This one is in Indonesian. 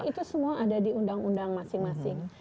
itu semua ada di undang undang masing masing